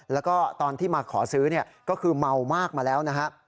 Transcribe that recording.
แล้วก็ตอนที่มาขอซื้อก็คือเมามากมาแล้วนะฮะ